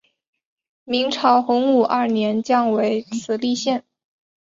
明朝洪武二年降为慈利县。